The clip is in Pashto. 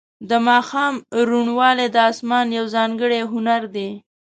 د ماښام روڼوالی د اسمان یو ځانګړی هنر دی.